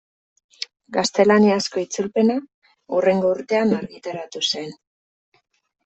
Gaztelaniazko itzulpena hurrengo urtean argitaratu zen.